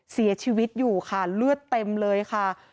เสียชีวิตอยู่ค่ะเลือดเต็มเลยค่ะ